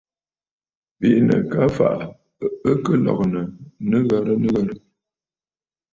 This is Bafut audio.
Bìʼinə̀ ka fàʼà, ɨ kɨ lɔ̀gə̀ nɨghərə nɨghərə.